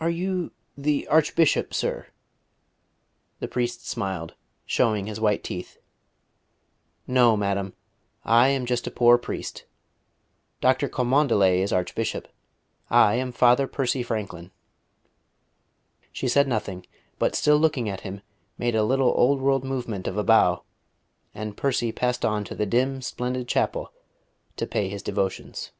"Are you the Archbishop, sir?" The priest smiled, showing his white teeth. "No, madam; I am just a poor priest. Dr. Cholmondeley is Archbishop. I am Father Percy Franklin." She said nothing, but still looking at him made a little old world movement of a bow; and Percy passed on to the dim, splendid chapel to pay his devotions.